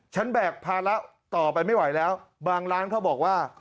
แบกภาระต่อไปไม่ไหวแล้วบางร้านเขาบอกว่า